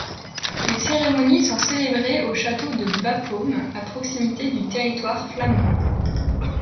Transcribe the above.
Les cérémonies sont célébrées au château de Bapaume à proximité du territoire flamand.